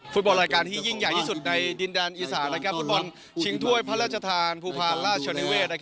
ฟุตบอลรายการที่ยิ่งใหญ่ที่สุดในดินแดนอีสานฟุตบอลชิงถ้วยพระราชทานภูพาลราชนิเวศ